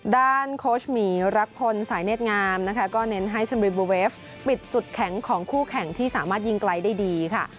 โค้ชหมีรักพลสายเนธงามนะคะก็เน้นให้ชมรีบูเวฟปิดจุดแข็งของคู่แข่งที่สามารถยิงไกลได้ดีค่ะ